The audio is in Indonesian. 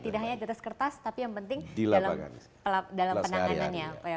tidak hanya di atas kertas tapi yang penting dalam penanganannya